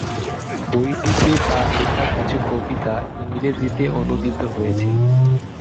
বইটিতে তার লেখা কিছু কবিতা ইংরেজিতে অনূদিত হয়েছে।